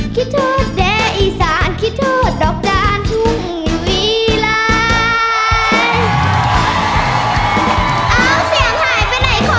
คิดโทษแด้อีสานคิดโทษดอกจานทุ่งลีลา